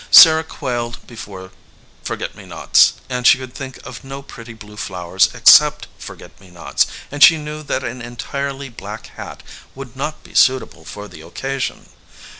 Sarah quailed before forget me nots, and she could think of no pretty blue flowers except forget me nots, and she knew that an entirely black hat would not be suitable for the occasion.